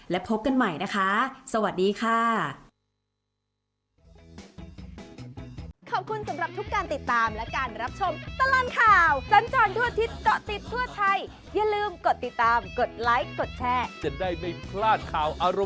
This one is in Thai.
และพบกันใหม่นะคะสวัสดีค่ะ